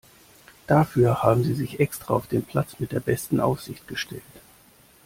Dafür haben Sie sich extra auf den Platz mit der besten Aussicht gestellt.